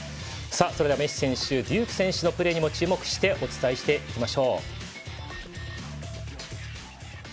それではメッシ選手デューク選手のプレーにも注目してお伝えしていきましょう。